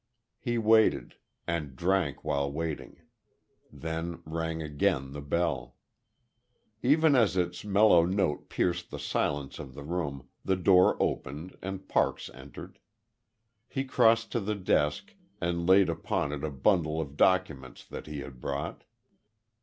He waited; and drank while waiting. Then rang again the bell. Even as its mellow note pierced the silence of the room, the door opened, and Parks entered. He crossed to the desk, and laid upon it a bundle of documents that he had brought.